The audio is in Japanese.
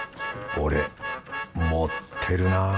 俺持ってるな